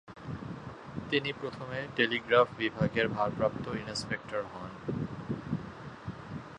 তিনি প্রথমে টেলিগ্রাফ বিভাগের ভারপ্রাপ্ত ইন্সপেক্টর হন।